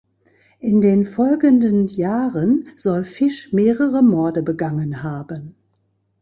In den folgenden Jahren soll Fish mehrere Morde begangen haben.